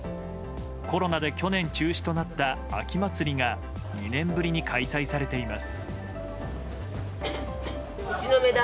コロナで去年、中止となった秋まつりが２年ぶりに開催されています。